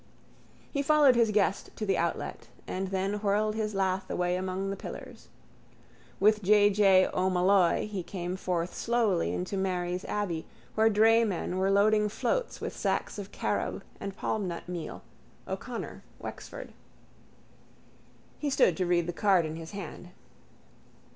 He followed his guest to the outlet and then whirled his lath away among the pillars. With J. J. O'Molloy he came forth slowly into Mary's abbey where draymen were loading floats with sacks of carob and palmnut meal, O'Connor, Wexford. He stood to read the card in his hand.